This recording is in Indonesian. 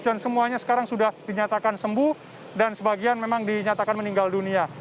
dan semuanya sekarang sudah dinyatakan sembuh dan sebagian memang dinyatakan meninggal dunia